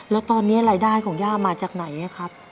แล้วตอนนี้รายได้ของย่ามาจากไหนครับ